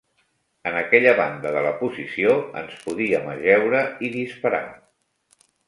En aquella banda de la posició ens podíem ajeure i disparar.